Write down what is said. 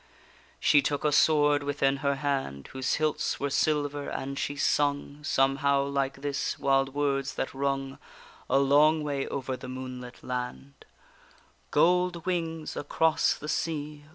She took a sword within her hand, Whose hilts were silver, and she sung Somehow like this, wild words that rung A long way over the moonlit land: Gold wings across the sea!